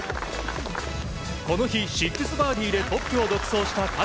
この日、６バーディーでトップを独走した勝。